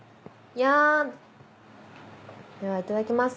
ではいただきます。